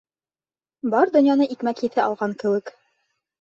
Бар донъяны икмәк еҫе алған кеүек.